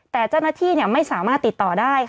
แต่เจ้าหน้าที่ไม่สามารถติดต่อได้